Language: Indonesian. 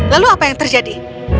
lalu apa yang terjadi